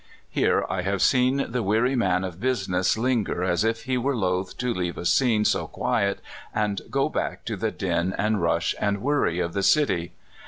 Here I have seen the weary man of business linger as if he were loath to leave a scene so quiet and go back to the din and rush and worry of the city.